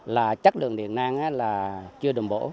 là chắc đường điện năng là chưa đồng bộ